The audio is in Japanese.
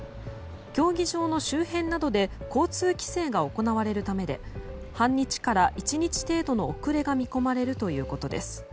競技場の周辺などで交通規制が行われるためで半日から１日程度の遅れが見込まれるということです。